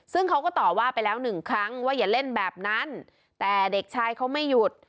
ซึ่งเขาก็ต่อว่าไปแล้วหนึ่งครั้งว่าอย่าเล่นแบบนั้นแต่เด็กชายเขาไม่หยุด